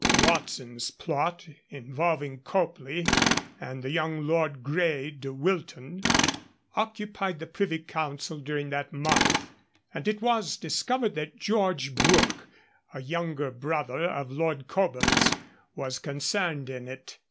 Watson's plot, involving Copley and the young Lord Grey de Wilton, occupied the Privy Council during that month, and it was discovered that George Brooke, a younger brother of Lord Cobham's, was concerned in it.